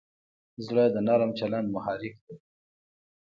زړه د نرم چلند محرک دی.